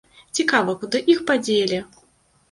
Цікава, куды іх падзелі?